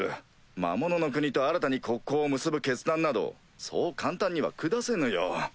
魔物の国と新たに国交を結ぶ決断などそう簡単には下せぬよ。